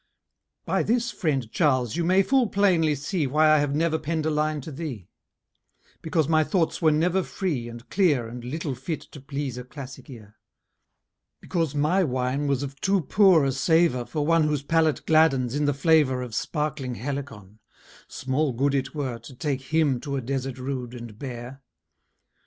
By this, friend Charles, you may full plainly see Why I have never penn'd a line to thee: Because my thoughts were never free, and clear, And little fit to please a classic ear; Because my wine was of too poor a savour For one whose palate gladdens in the flavour Of sparkling Helicon: small good it were To take him to a desert rude, and bare.